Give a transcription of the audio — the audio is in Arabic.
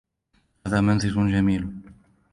هذا منزل جمیل.